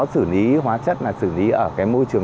xử lý hóa chất là xử lý ở cái môi trường